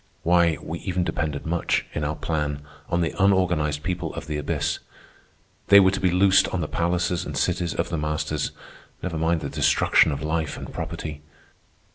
Why, we even depended much, in our plan, on the unorganized people of the abyss. They were to be loosed on the palaces and cities of the masters. Never mind the destruction of life and property.